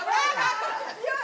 強い！